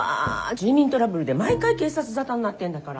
住民トラブルで毎回警察沙汰になってんだから。